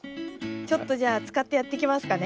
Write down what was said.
ちょっとじゃあ使ってやっていきますかね。